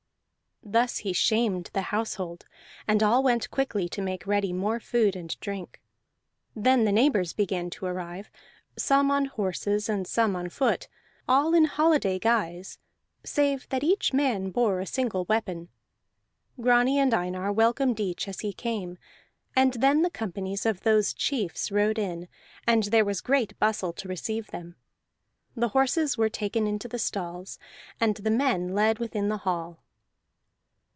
Thus he shamed the household, and all went quickly to make ready more food and drink. Then the neighbors began to arrive, some on horses and some on foot, all in holiday guise save that each man bore a single weapon. Grani and Einar welcomed each as he came; and then the companies of those chiefs rode in, and there was great bustle to receive them. The horses were taken to the stalls, and the men led within the hall.